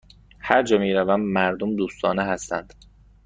هرجا می روم، مردم دوستانه هستند.